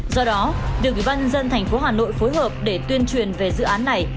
do đó được ủy ban nhân dân tp hà nội phối hợp để tuyên truyền về dự án này